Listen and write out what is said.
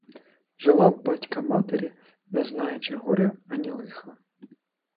Жила в батька-матері, не знаючи горя, ані лиха.